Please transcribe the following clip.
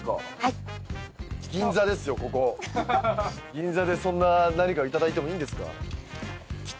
銀座でそんな何かをいただいてもいいんですか？